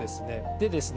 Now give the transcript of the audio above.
でですね